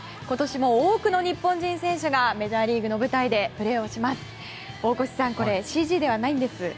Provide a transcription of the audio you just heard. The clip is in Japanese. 今年も多くの日本人選手がメジャーリーグの舞台でプレーをします。